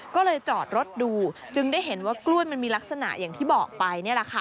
ก็เลยจอดรถดูจึงได้เห็นว่ากล้วยมันมีลักษณะอย่างที่บอกไปนี่แหละค่ะ